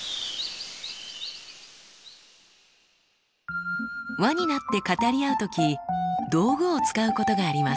輪になって語り合う時道具を使うことがあります。